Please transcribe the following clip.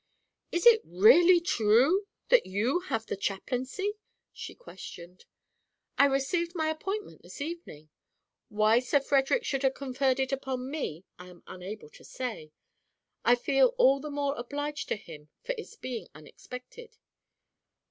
"Is it really true that you have the chaplaincy?" she questioned. "I received my appointment this evening. Why Sir Frederick should have conferred it upon me I am unable to say: I feel all the more obliged to him for its being unexpected.